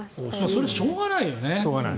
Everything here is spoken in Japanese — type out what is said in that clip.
それ、しょうがないよね。